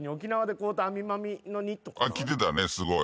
着てたねすごい。